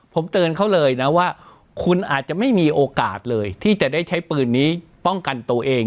ผมเตือนเขาเลยนะว่าคุณอาจจะไม่มีโอกาสเลยที่จะได้ใช้ปืนนี้ป้องกันตัวเอง